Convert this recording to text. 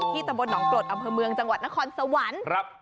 ตำบลหนองกรดอำเภอเมืองจังหวัดนครสวรรค์